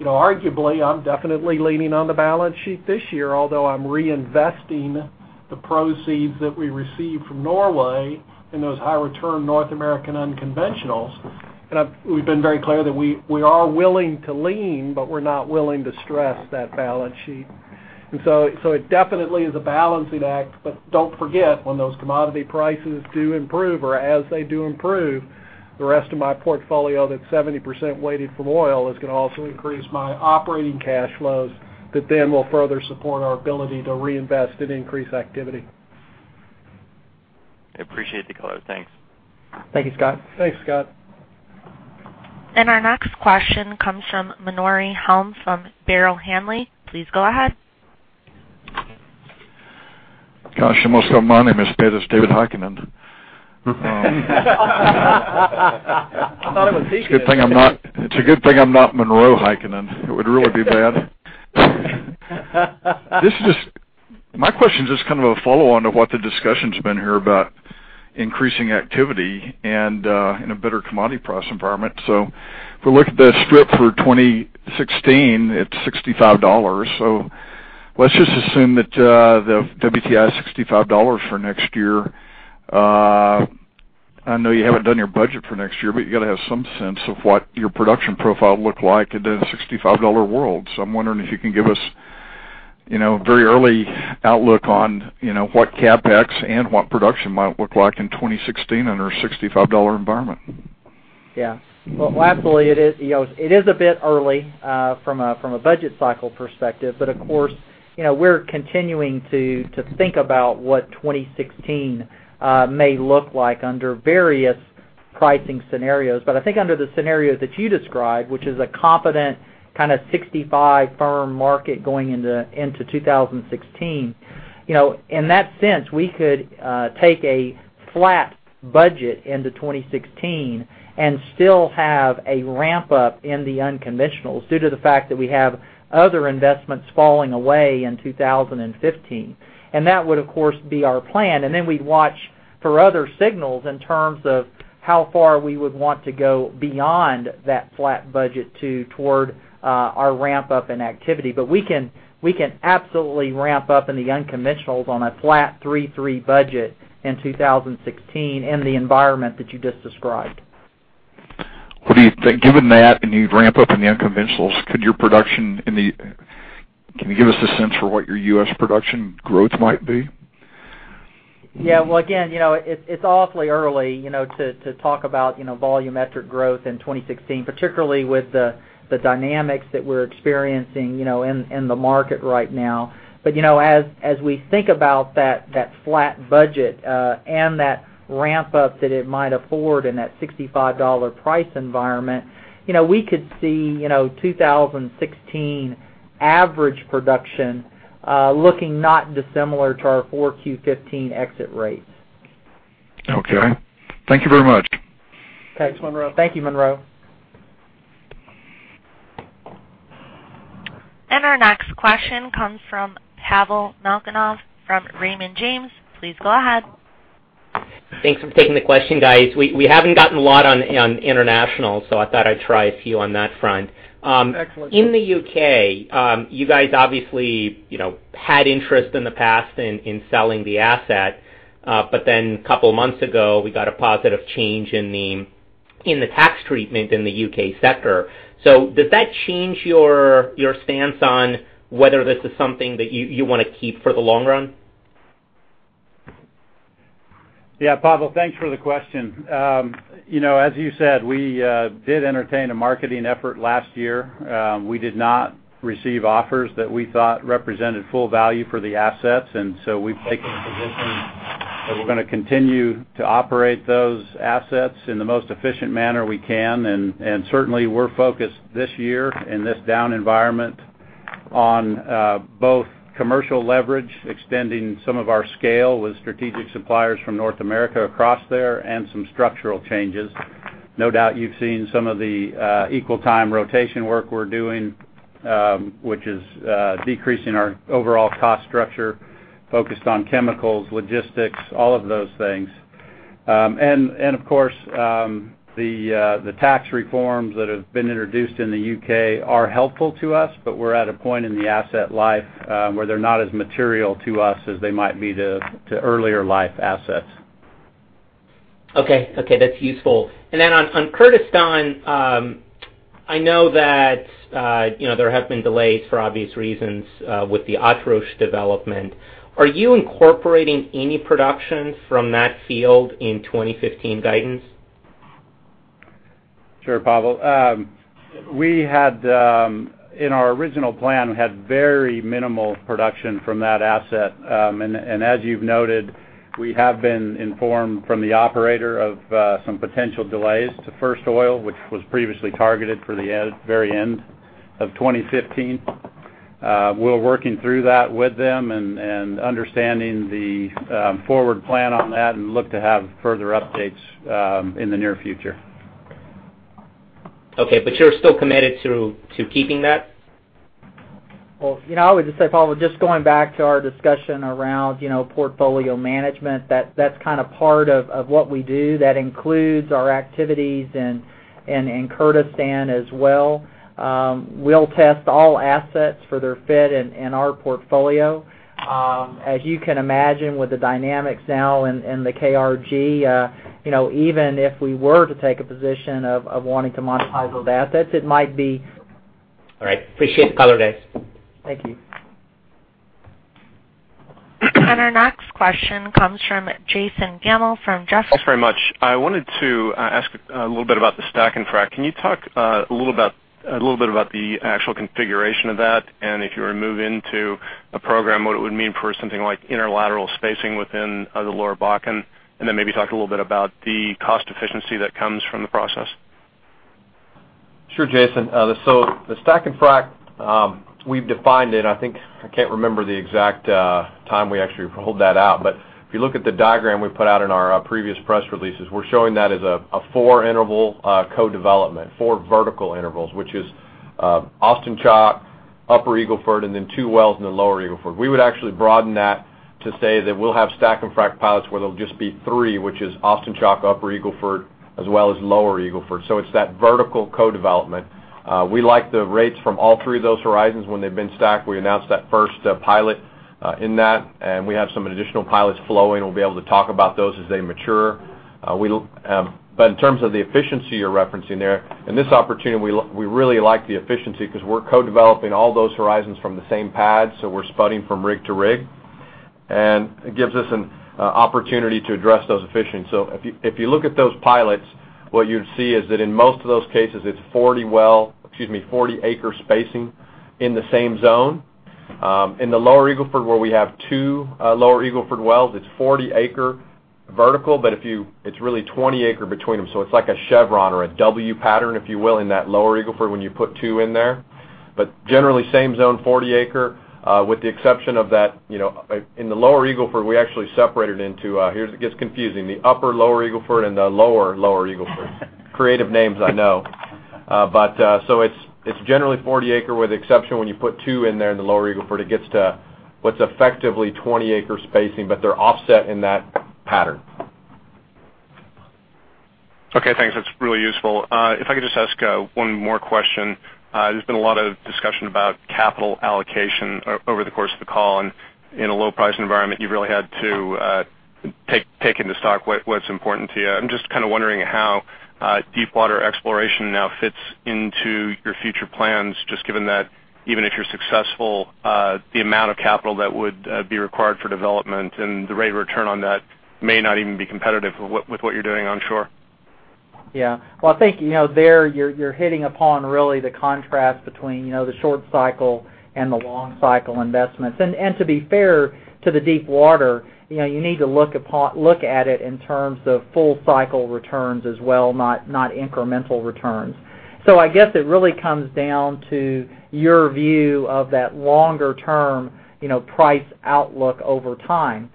Speaker 12: arguably, I'm definitely leaning on the balance sheet this year, although I'm reinvesting the proceeds that we received from Norway in those high-return North American unconventionals. We've been very clear that we are willing to lean, but we're not willing to stress that balance sheet. It definitely is a balancing act. Don't forget, when those commodity prices do improve or as they do improve, the rest of my portfolio that's 70% weighted from oil is going to also increase my operating cash flows that then will further support our ability to reinvest and increase activity.
Speaker 15: I appreciate the color. Thanks.
Speaker 3: Thank you, Scott.
Speaker 12: Thanks, Scott.
Speaker 1: Our next question comes from Monroe Helm from Barrow Hanley. Please go ahead.
Speaker 3: Gosh, you must have my name as David Heikkinen.
Speaker 12: I thought it was Heikkinen.
Speaker 16: It's a good thing I'm not Monroe Heikkinen. It would really be bad. My question is just a follow-on to what the discussion's been here about increasing activity and in a better commodity price environment. If we look at the strip for 2016, it's $65. Let's just assume that the WTI is $65 for next year. I know you haven't done your budget for next year, but you got to have some sense of what your production profile look like in a $65 world. I'm wondering if you can give us very early outlook on what CapEx and what production might look like in 2016 under a $65 environment. Yeah. Well, absolutely. It is a bit early from a budget cycle perspective, but of course, we're continuing to think about what 2016 may look like under various pricing scenarios.
Speaker 3: I think under the scenario that you described, which is a competent kind of $65 firm market going into 2016, in that sense, we could take a flat budget into 2016 still have a ramp-up in the unconventionals due to the fact that we have other investments falling away in 2015. That would, of course, be our plan. Then we'd watch for other signals in terms of how far we would want to go beyond that flat budget to toward our ramp-up in activity. We can absolutely ramp up in the unconventionals on a flat three-three budget in 2016 in the environment that you just described.
Speaker 16: What do you think? Given that, and you'd ramp up in the unconventionals, can you give us a sense for what your U.S. production growth might be?
Speaker 3: Yeah. Well, again, it's awfully early to talk about volumetric growth in 2016, particularly with the dynamics that we're experiencing in the market right now. As we think about that flat budget, and that ramp-up that it might afford in that $65 price environment, we could see 2016 average production looking not dissimilar to our 4Q15 exit rates.
Speaker 16: Okay. Thank you very much.
Speaker 3: Thanks, Monroe. Thank you, Monroe.
Speaker 1: Our next question comes from Pavel Molchanov from Raymond James. Please go ahead.
Speaker 17: Thanks for taking the question, guys. We haven't gotten a lot on international. I thought I'd try a few on that front.
Speaker 3: Excellent.
Speaker 17: In the U.K., you guys obviously had interest in the past in selling the asset. A couple of months ago, we got a positive change in the tax treatment in the U.K. sector. Did that change your stance on whether this is something that you want to keep for the long run?
Speaker 11: Yeah, Pavel, thanks for the question. As you said, we did entertain a marketing effort last year. We did not receive offers that we thought represented full value for the assets. We've taken the position that we're going to continue to operate those assets in the most efficient manner we can. Certainly, we're focused this year in this down environment on both commercial leverage, extending some of our scale with strategic suppliers from North America across there, and some structural changes. No doubt you've seen some of the equal-time rotation work we're doing, which is decreasing our overall cost structure focused on chemicals, logistics, all of those things. Of course, the tax reforms that have been introduced in the U.K. are helpful to us. We're at a point in the asset life where they're not as material to us as they might be to earlier life assets.
Speaker 17: Okay. That's useful. On Kurdistan, I know that there have been delays for obvious reasons with the Atrush development. Are you incorporating any production from that field in 2015 guidance?
Speaker 11: Sure, Pavel. In our original plan, we had very minimal production from that asset. As you've noted, we have been informed from the operator of some potential delays to first oil, which was previously targeted for the very end of 2015. We're working through that with them and understanding the forward plan on that and look to have further updates in the near future.
Speaker 17: Okay. You're still committed to keeping that?
Speaker 3: Well, I would just say, Pavel, just going back to our discussion around portfolio management, that's part of what we do. That includes our activities in Kurdistan as well. We'll test all assets for their fit in our portfolio. As you can imagine with the dynamics now in the KRG, even if we were to take a position of wanting to monetize those assets.
Speaker 17: All right. Appreciate the color, guys.
Speaker 3: Thank you.
Speaker 1: Our next question comes from Jason Gammel from Jefferies.
Speaker 18: Thanks very much. I wanted to ask a little bit about the stack-and-frack. Can you talk a little bit about the actual configuration of that? If you were to move into a program, what it would mean for something like inter-lateral spacing within the Lower Bakken, and then maybe talk a little bit about the cost efficiency that comes from the process.
Speaker 5: Sure, Jason. The stack and frack, we've defined it, I think I can't remember the exact time we actually rolled that out. If you look at the diagram we put out in our previous press releases, we're showing that as a 4-interval co-development. 4 vertical intervals, which is Austin Chalk, Upper Eagle Ford, and then 2 wells in the Lower Eagle Ford. We would actually broaden that to say that we'll have stack and frack pilots where there'll just be 3, which is Austin Chalk, Upper Eagle Ford, as well as Lower Eagle Ford. It's that vertical co-development. We like the rates from all 3 of those horizons when they've been stacked. We announced that first pilot in that, and we have some additional pilots flowing. We'll be able to talk about those as they mature. In terms of the efficiency you're referencing there, in this opportunity, we really like the efficiency because we're co-developing all those horizons from the same pad, we're spudding from rig to rig. It gives us an opportunity to address those efficiently. If you look at those pilots, what you'd see is that in most of those cases, it's 40-acre spacing in the same zone. In the Lower Eagle Ford where we have 2 Lower Eagle Ford wells, it's 40-acre vertical, it's really 20-acre between them. It's like a chevron or a W pattern, if you will, in that Lower Eagle Ford when you put 2 in there. Generally same zone 40-acre, with the exception of that, in the Lower Eagle Ford, we actually separated into the Upper Lower Eagle Ford and the Lower Lower Eagle Ford. Creative names, I know. It's generally 40-acre, with the exception when you put 2 in there in the Lower Eagle Ford, it gets to what's effectively 20-acre spacing, they're offset in that pattern.
Speaker 18: Okay, thanks. That's really useful. If I could just ask one more question. There's been a lot of discussion about capital allocation over the course of the call, and in a low price environment, you've really had to take into stock what's important to you. I'm just wondering how deep water exploration now fits into your future plans, just given that even if you're successful, the amount of capital that would be required for development and the rate of return on that may not even be competitive with what you're doing onshore.
Speaker 3: I think there you're hitting upon really the contrast between the short cycle and the long cycle investments. To be fair to the deep water, you need to look at it in terms of full cycle returns as well, not incremental returns. I guess it really comes down to your view of that longer term price outlook over time.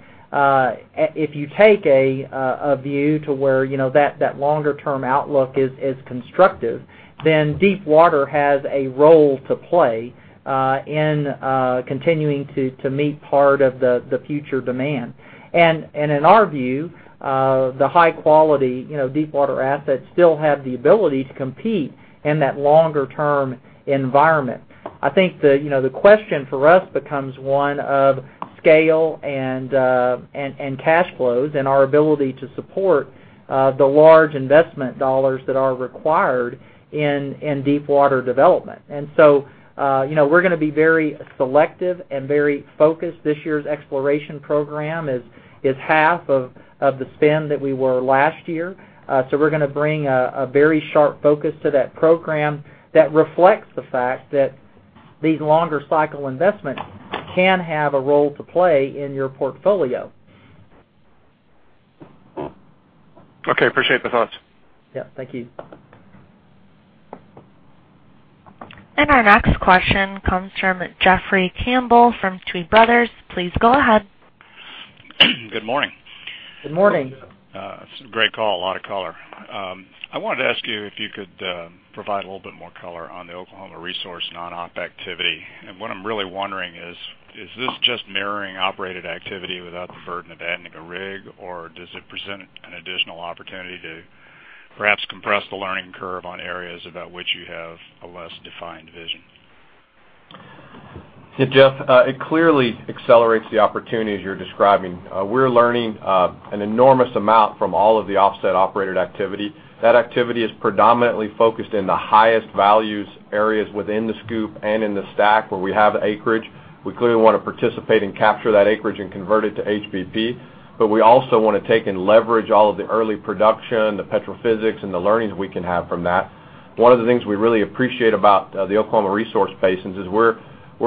Speaker 3: If you take a view to where that longer term outlook is constructive, then deep water has a role to play in continuing to meet part of the future demand. In our view, the high quality deep water assets still have the ability to compete in that longer term environment. I think the question for us becomes one of scale and cash flows and our ability to support the large investment dollars that are required in deep water development. We're going to be very selective and very focused. This year's exploration program is half of the spend that we were last year. We're going to bring a very sharp focus to that program that reflects the fact that these longer cycle investments can have a role to play in your portfolio.
Speaker 18: Appreciate the thoughts.
Speaker 3: Thank you.
Speaker 1: Our next question comes from Jeffrey Campbell from Tuohy Brothers. Please go ahead.
Speaker 19: Good morning.
Speaker 3: Good morning.
Speaker 19: It's a great call, a lot of color. I wanted to ask you if you could provide a little bit more color on the Oklahoma resource non-op activity. What I'm really wondering is this just mirroring operated activity without the burden of adding a rig? Or does it present an additional opportunity to perhaps compress the learning curve on areas about which you have a less defined vision?
Speaker 5: Yeah, Jeff, it clearly accelerates the opportunity as you're describing. We're learning an enormous amount from all of the offset operated activity. That activity is predominantly focused in the highest values areas within the SCOOP and in the STACK where we have acreage. We clearly want to participate and capture that acreage and convert it to HBP. We also want to take and leverage all of the early production, the petrophysics, and the learnings we can have from that. One of the things we really appreciate about the Oklahoma resource basins is we're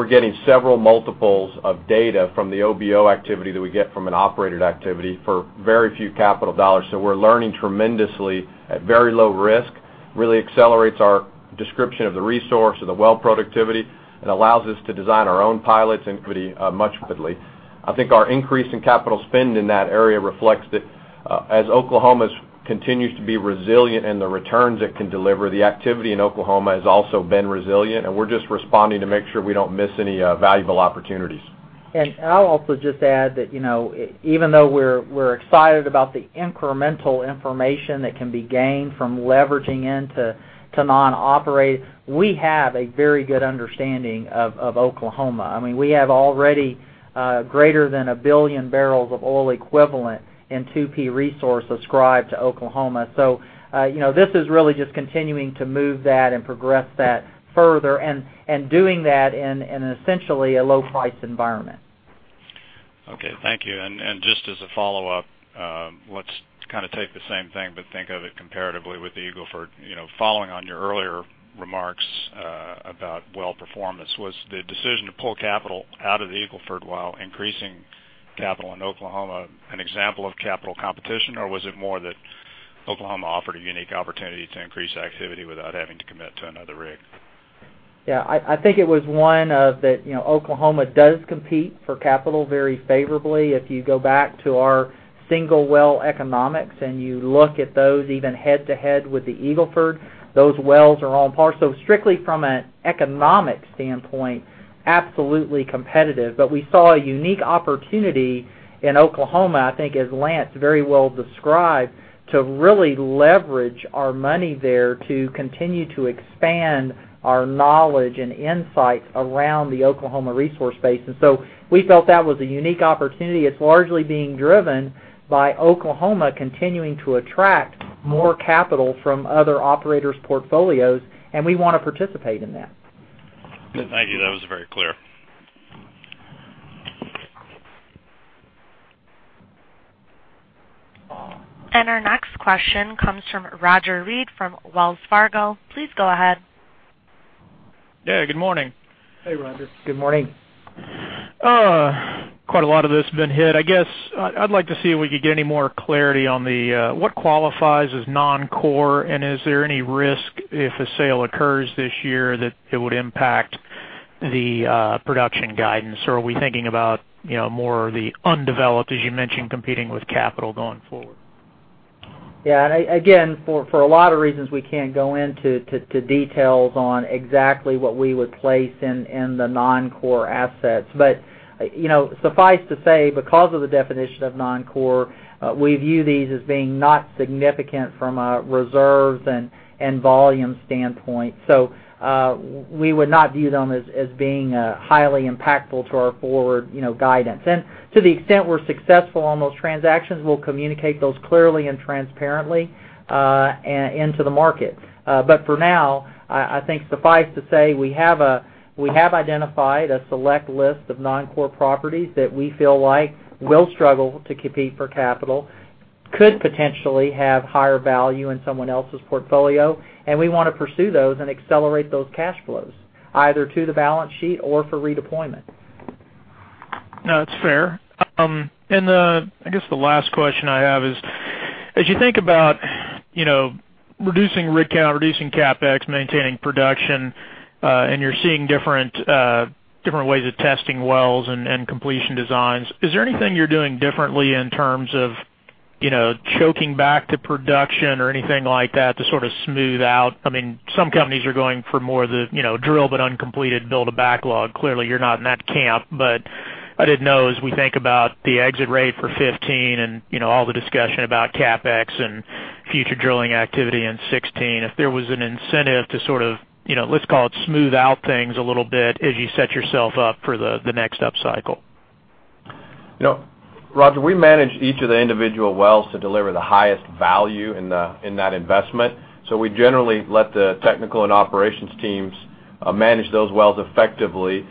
Speaker 5: getting several multiples of data from the OBO activity that we get from an operated activity for very few capital $. We're learning tremendously at very low risk. Really accelerates our description of the resource, of the well productivity, and allows us to design our own pilots much quickly. I think our increase in capital spend in that area reflects that as Oklahoma continues to be resilient in the returns it can deliver, the activity in Oklahoma has also been resilient, and we're just responding to make sure we don't miss any valuable opportunities.
Speaker 3: I'll also just add that even though we're excited about the incremental information that can be gained from leveraging into non-operate, we have a very good understanding of Oklahoma. We have already greater than a billion barrels of oil equivalent in 2P resource ascribed to Oklahoma. This is really just continuing to move that and progress that further and doing that in essentially a low price environment.
Speaker 19: Okay. Thank you. Just as a follow-up, let's take the same thing, but think of it comparatively with the Eagle Ford. Following on your earlier remarks about well performance, was the decision to pull capital out of the Eagle Ford while increasing capital in Oklahoma an example of capital competition, or was it more that Oklahoma offered a unique opportunity to increase activity without having to commit to another rig?
Speaker 3: Yeah. I think it was one of that Oklahoma does compete for capital very favorably. If you go back to our single well economics and you look at those even head to head with the Eagle Ford, those wells are on par. Strictly from an economic standpoint, absolutely competitive. We saw a unique opportunity in Oklahoma, I think as Lance very well described, to really leverage our money there to continue to expand our knowledge and insight around the Oklahoma resource base. We felt that was a unique opportunity. It's largely being driven by Oklahoma continuing to attract more capital from other operators' portfolios, and we want to participate in that.
Speaker 19: Thank you. That was very clear.
Speaker 1: Our next question comes from Roger Read from Wells Fargo. Please go ahead.
Speaker 20: Yeah, good morning.
Speaker 5: Hey, Roger. Good morning.
Speaker 20: Quite a lot of this has been hit. I guess I'd like to see if we could get any more clarity on the, what qualifies as non-core, and is there any risk if a sale occurs this year that it would impact the production guidance, or are we thinking about more of the undeveloped, as you mentioned, competing with capital going forward?
Speaker 3: Yeah. Again, for a lot of reasons, we can't go into details on exactly what we would place in the non-core assets. Suffice to say, because of the definition of non-core, we view these as being not significant from a reserves and volume standpoint. We would not view them as being highly impactful to our forward guidance. To the extent we're successful on those transactions, we'll communicate those clearly and transparently into the market. For now, I think suffice to say, we have identified a select list of non-core properties that we feel like will struggle to compete for capital, could potentially have higher value in someone else's portfolio, and we want to pursue those and accelerate those cash flows, either to the balance sheet or for redeployment.
Speaker 20: No, that's fair. I guess the last question I have is, as you think about reducing rig count, reducing CapEx, maintaining production, and you're seeing different ways of testing wells and completion designs, is there anything you're doing differently in terms of choking back to production or anything like that to sort of smooth out? Some companies are going for more of the drilled but uncompleted build a backlog. Clearly, you're not in that camp. I didn't know, as we think about the exit rate for 2015 and all the discussion about CapEx and future drilling activity in 2016, if there was an incentive to sort of, let's call it smooth out things a little bit as you set yourself up for the next upcycle.
Speaker 5: Roger, we manage each of the individual wells to deliver the highest value in that investment. We generally let the technical and operations teams manage those wells effectively.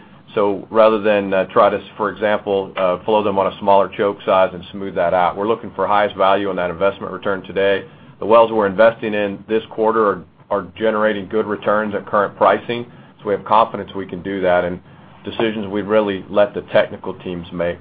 Speaker 5: Rather than try to, for example, flow them on a smaller choke size and smooth that out, we're looking for highest value on that investment return today. The wells we're investing in this quarter are generating good returns at current pricing. We have confidence we can do that, and decisions we'd really let the technical teams make.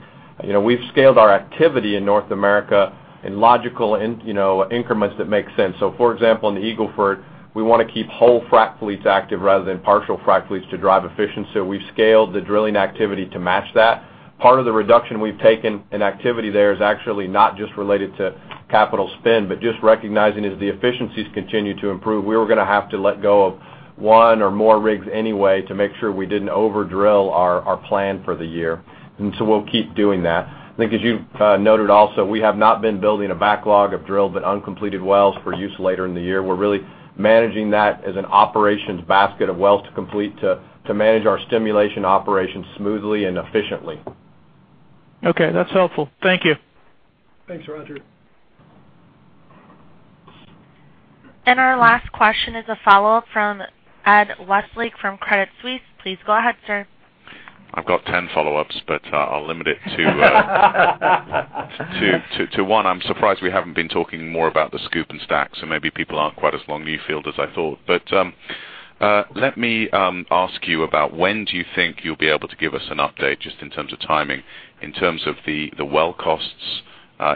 Speaker 5: We've scaled our activity in North America in logical increments that make sense. For example, in the Eagle Ford, we want to keep whole frac fleets active rather than partial frac fleets to drive efficiency. We've scaled the drilling activity to match that. Part of the reduction we've taken in activity there is actually not just related to capital spend, but just recognizing as the efficiencies continue to improve, we were going to have to let go of one or more rigs anyway to make sure we didn't over-drill our plan for the year. We'll keep doing that. I think as you've noted also, we have not been building a backlog of drilled but uncompleted wells for use later in the year. We're really managing that as an operations basket of wells to complete to manage our stimulation operations smoothly and efficiently.
Speaker 20: Okay, that's helpful. Thank you.
Speaker 3: Thanks, Roger.
Speaker 1: Our last question is a follow-up from Ed Westlake from Credit Suisse. Please go ahead, sir.
Speaker 4: I've got 10 follow-ups, but I'll limit it to one. I'm surprised we haven't been talking more about the SCOOP and STACK, so maybe people aren't quite as long Newfield as I thought. Let me ask you about when do you think you'll be able to give us an update, just in terms of timing, in terms of the well costs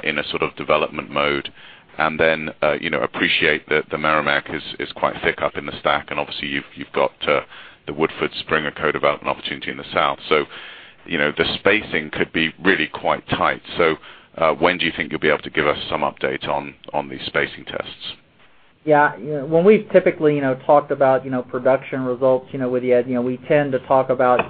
Speaker 4: in a sort of development mode, and then appreciate that the Meramec is quite thick up in the STACK, and obviously you've got the Woodford Springer co-development opportunity in the south, so the spacing could be really quite tight. When do you think you'll be able to give us some update on these spacing tests?
Speaker 3: Yeah. When we've typically talked about production results with you, Ed, we tend to talk about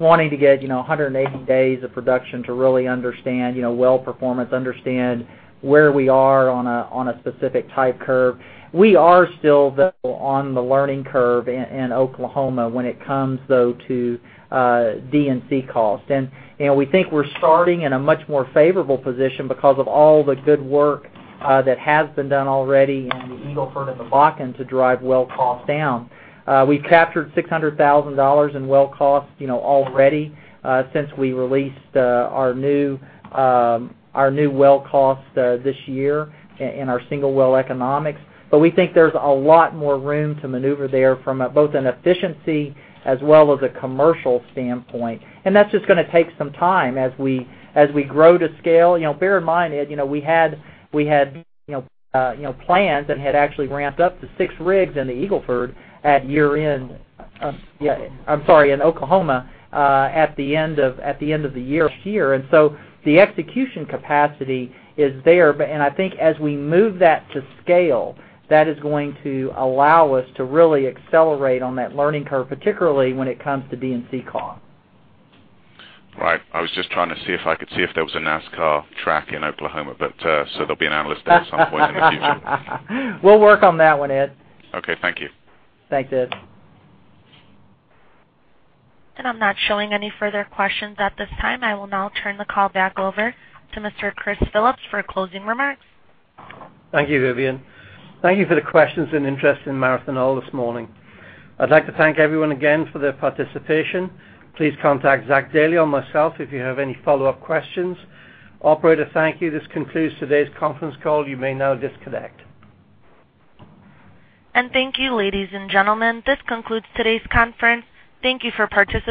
Speaker 3: wanting to get 180 days of production to really understand well performance, understand where we are on a specific type curve. We are still, though, on the learning curve in Oklahoma when it comes, though, to D&C costs. We think we're starting in a much more favorable position because of all the good work that has been done already in the Eagle Ford and the Bakken to drive well costs down. We've captured $600,000 in well costs already since we released our new well costs this year in our single well economics. We think there's a lot more room to maneuver there from both an efficiency as well as a commercial standpoint. That's just going to take some time as we grow to scale. Bear in mind, Ed, we had plans and had actually ramped up to six rigs in the Eagle Ford at year end. I'm sorry, in Oklahoma, at the end of the year last year. The execution capacity is there. I think as we move that to scale, that is going to allow us to really accelerate on that learning curve, particularly when it comes to D&C cost.
Speaker 4: Right. I was just trying to see if I could see if there was a NASCAR track in Oklahoma. There'll be an analyst day at some point in the future.
Speaker 3: We'll work on that one, Ed.
Speaker 4: Okay. Thank you.
Speaker 3: Thanks, Ed.
Speaker 1: I'm not showing any further questions at this time. I will now turn the call back over to Mr. Chris Phillips for closing remarks.
Speaker 2: Thank you, Vivian. Thank you for the questions and interest in Marathon Oil this morning. I'd like to thank everyone again for their participation. Please contact Zach Dailey or myself if you have any follow-up questions. Operator, thank you. This concludes today's conference call. You may now disconnect.
Speaker 1: Thank you, ladies and gentlemen. This concludes today's conference. Thank you for participating.